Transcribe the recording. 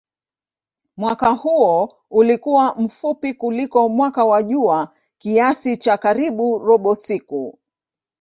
Mwaka huo ulikuwa mfupi kuliko mwaka wa jua kiasi cha karibu robo siku.